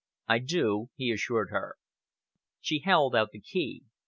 "I do," he assured her. She held out the key.